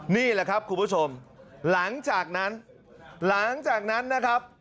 นี่แหละครับคุณผู้ชมหลังจากนั้นหลังจากนั้นนะครับ